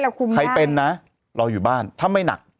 แล้วก็คือใครเป็นนะรออยู่บ้านถ้าไม่หนัก